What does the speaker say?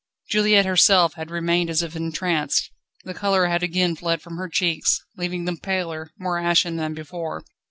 Juliette herself had remained as if entranced. The colour had again fled from her cheeks, leaving them paler, more ashen than before.